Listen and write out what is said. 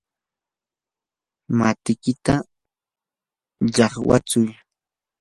matikita llaqwaytsu.